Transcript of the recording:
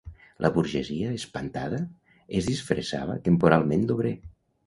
La burgesia, espantada, es disfressava temporalment d'obrer